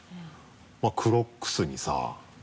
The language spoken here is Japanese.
まぁクロックスにさ